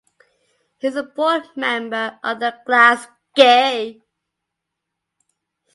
He is a board member of the Glasgay!